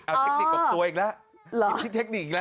เอ้าเทคนิคของตัวอีกแล้วอีกชิ้นเทคนิคอีกแล้ว